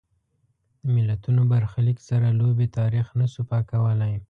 د ملتونو برخلیک سره لوبې تاریخ نه شو پاکولای.